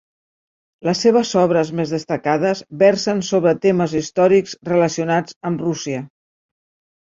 Les seves obres més destacades versen sobre temes històrics relacionats amb Rússia.